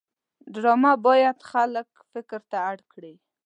ډرامه باید خلک فکر ته اړ کړي